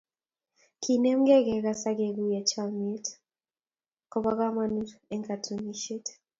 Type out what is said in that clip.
Kinemgei, kekas ak keguiyo chamanet kobo komonut eng katunisiet